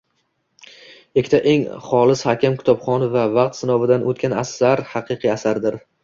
Ikkita eng xolis hakam-Kitobxon va Vaqt sinovidan o’tgan asar haqiqiy asardir.